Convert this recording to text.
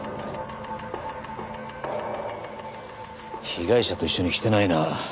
被害者と一緒に来てないな。